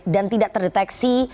dan tidak terdeteksi